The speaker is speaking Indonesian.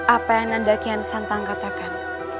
apa yang nandakian santang katakan